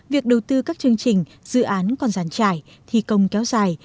việc đầu tư các chương trình dự án còn giàn trải thi công kéo dài